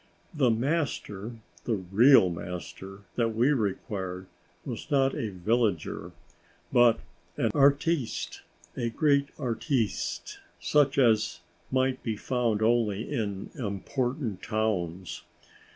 The master, the real master that we required, was not a villager, but an artiste, a great artiste, such as might be found only in important towns.